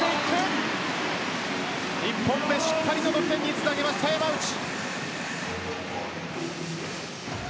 １本目しっかりと得点につなげた山内です。